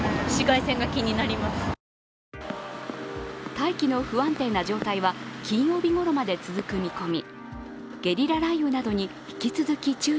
大気の不安定な状態は金曜日ごろまで続く見込み。